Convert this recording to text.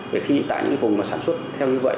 để khi tại những cái vùng mà sản xuất theo như vậy